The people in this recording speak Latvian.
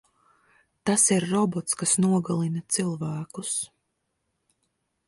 Tas ir robots, kas nogalina cilvēkus.